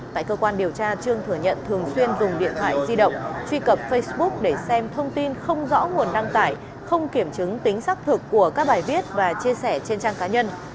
tại cơ quan điều tra trương thừa nhận thường xuyên dùng điện thoại di động truy cập facebook để xem thông tin không rõ nguồn đăng tải không kiểm chứng tính xác thực của các bài viết và chia sẻ trên trang cá nhân